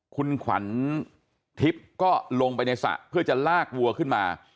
คุณขวัญทิพย์ก็ลงไปในสระเพื่อจะลากวัวขึ้นมา